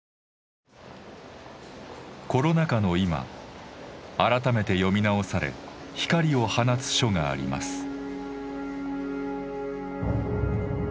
コロナ禍の今改めて読み直され光を放つ書があります。